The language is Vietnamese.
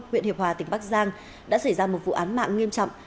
huyện hiệp hòa tỉnh bắc giang đã xảy ra một vụ án mạng nghiêm trọng